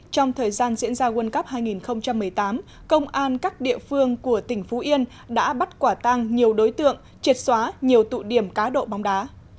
trong thời gian diễn ra world cup hai nghìn một mươi tám công an các địa phương của tỉnh phú yên đã bắt quả tăng nhiều đối tượng triệt xóa nhiều tụ điểm cá độ bóng đá